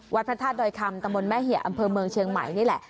พระธาตุดอยคำตะมนต์แม่เหี่ยอำเภอเมืองเชียงใหม่นี่แหละ